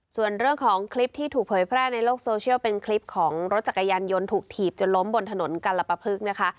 ส่วนเรื่องของคลิปที่ถูกเผยแพร่ในโลกโซเชียลเป็นคลิปของรถจักรยานยนต์ถูกถีบจนล้มบนถนนกัลปพลึกนะคะ